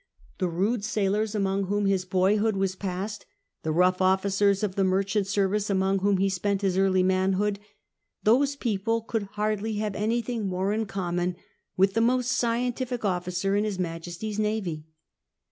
The rude sailors among whom his boyhood was passed, the rough officers of the merchant service among whom he spent his early manhood — those people could hardly have anything more in common with the most scientific officer in His Majesty's Navy.